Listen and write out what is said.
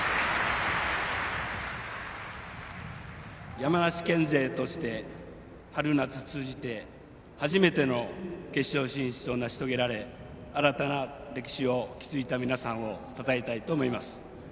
山梨県勢として春夏通じて初めての決勝進出を成し遂げられ新たな歴史を築いた皆さんをたたえたいと思います。